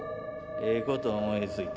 ええ事思いついた。